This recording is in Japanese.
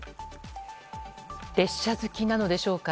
列車好きなのでしょうか。